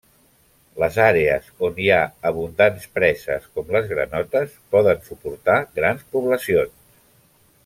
Les àrees on hi ha abundants preses com les granotes poden suportar grans poblacions.